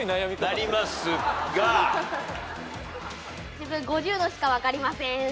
自分５０のしか分かりません。